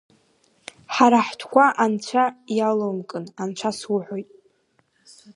Ҳара ҳтәқәа анцәа иалоумкын, анцәа суҳәоит!